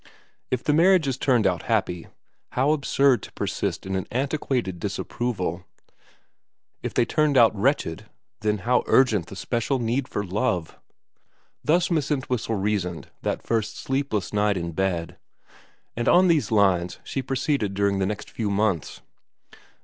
If the marriages turned out happy, how absurd to persist in an antiquated disapproval ; if they turned out wretched, then how urgent the special need for love. Thus Miss Entwhistle reasoned that first sleepless night in bed, and on these lines she proceeded during the next few months.